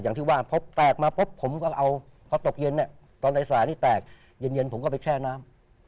อย่างที่ว่าพอแตกมาปุ๊บผมก็เอาพอตกเย็นเนี่ยตอนในสระนี่แตกเย็นผมก็ไปแช่น้ำ